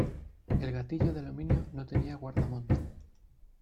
El gatillo de aluminio no tenía guardamonte.